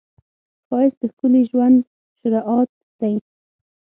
ښایست د ښکلي ژوند شروعات دی